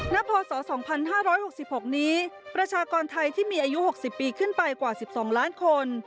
นับโทษสองพันห้าร้อยหกสิบหกนี้ประชากรไทยที่มีอายุหกสิบปีขึ้นไปกว่าสิบสองล้านคน